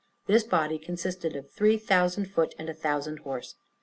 This body consisted of three thousand foot, and a thousand horse.